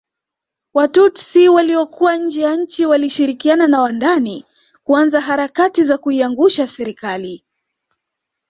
Watutsi waliokuwa nje ya nchi walishirikiana na wa ndani kuanza harakati za kuiangusha Serikali